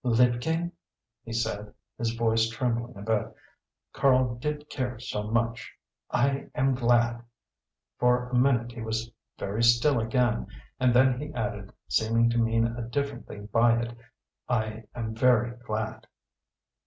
"Liebchen," he said, his voice trembling a bit Karl did care so much! "I am glad." For a minute he was very still again, and then he added, seeming to mean a different thing by it "I am very glad."